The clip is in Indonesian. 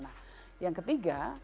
nah yang ketiga